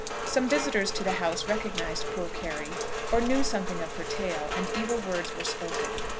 Some visitors to the house recognised poor Carry, or knew something of her tale, and evil words were spoken.